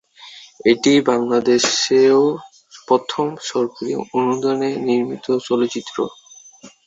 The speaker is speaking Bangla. এটিই বাংলাদেশেও প্রথম সরকারি অনুদানে নির্মিত চলচ্চিত্র।